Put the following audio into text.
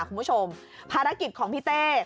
คุณผู้ชมภารกิจของพี่เต้